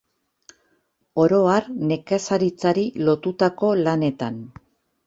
Oro har nekazaritzari lotutako lanetan.